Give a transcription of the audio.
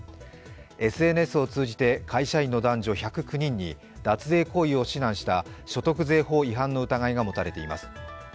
ＳＮＳを通じて会社員の男女１０９人に脱税行為を指南した所得税法違反の疑いが持たれています。